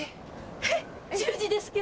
えっ１０時ですけど。